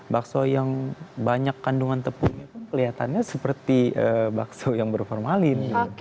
bakso yang banyak kandungan tepungnya kelihatannya seperti bakso yang berformalin